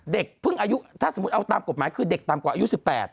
เด็กเพิ่งอายุถ้าสมมุติเอาตามกฎหมายคือเด็กต่ำกว่าอายุ๑๘